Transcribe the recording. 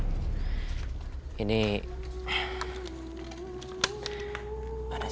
ada sedikit buat makan ya